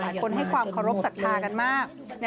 หลายคนให้ความเคารพศักดิ์ทางกันมาก